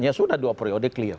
ya sudah dua periode clear